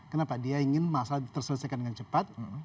kenapa dia ingin masalah terselesaikan dengan cepat